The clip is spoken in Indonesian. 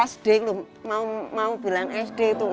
sd lu mau bilang sd tuh